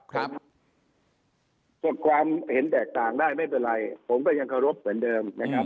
กดความเห็นแตกต่างได้ไม่เป็นไรผมก็ยังเคารพเหมือนเดิมนะครับ